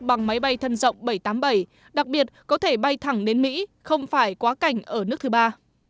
bằng máy bay thân rộng bảy trăm tám mươi bảy đặc biệt có thể bay thẳng đến mỹ không phải quá cảnh ở nước thứ ba